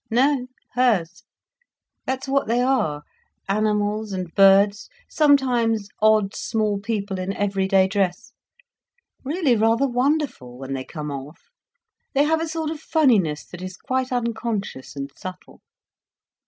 "No, hers. That's what they are—animals and birds, sometimes odd small people in everyday dress, really rather wonderful when they come off. They have a sort of funniness that is quite unconscious and subtle."